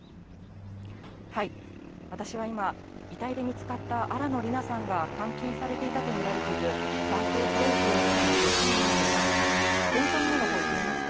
私は今、遺体で見つかった新野りなさんが監禁されていたと見られている三瓶博幸容疑者の別荘の前にいます。